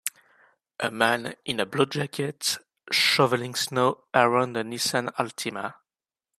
A man in a blue jacket shoveling snow around a Nissan Altima.